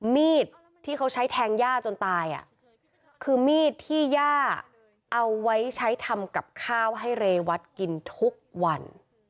มีดที่เขาใช้แทงย่าจนตายคือมีดที่ย่าเอาไว้ใช้ทำกับข้าวให้เรวัตกินทุกวัน